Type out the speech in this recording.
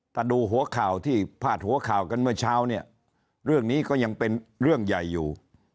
ถ้าดูหัวข่าวที่พาดหัวข่าวกันเมื่อเช้าเนี่ยเรื่องนี้ก็ยังเป็นเรื่องใหญ่อยู่